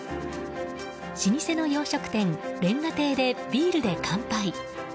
老舗の洋食店、煉瓦亭でビールで乾杯。